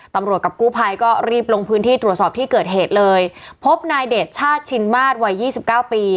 ตำรวจกับกู้ภัยก็รีบลงพื้นที่ตรวจสอบที่เกิดเหตุเลยพบนายเดชชาติชินมาตรวัย๒๙ปี